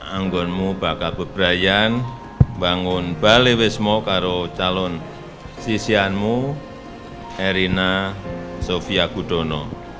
anggonmu bakal bebraian bangun baleswismo karo calon sisihkanmu erina sofia gudono